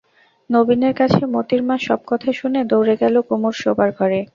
নবীনের কাছে মোতির মা সব কথা শুনে দৌড়ে গেল কুমুর শোবার ঘরে।